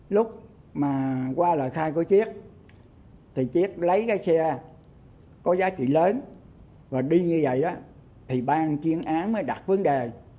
lúc mà qua lời khai của triết thì triết lấy cái xe có giá trị lớn và đi như vậy á thì ban chuyên án mới đặt vấn đề